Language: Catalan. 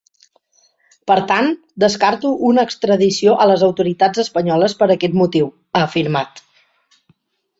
Per tant, descarto una extradició a les autoritats espanyoles per aquest motiu, ha afirmat.